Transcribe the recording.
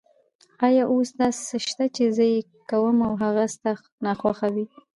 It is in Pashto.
آیا اوس داسې څه شته چې زه یې کوم او هغه ستا ناخوښه وي؟